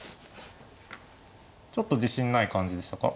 ちょっと自信ない感じでしたか？